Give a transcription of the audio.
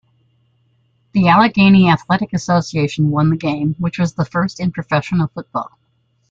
The Allegheny Athletic Association won the game, which was the first in professional football.